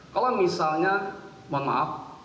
kalau misalnya mohon maaf